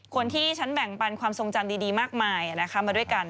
คนที่ฉันแบ่งปันความทรงจำดีมากมายมาด้วยกัน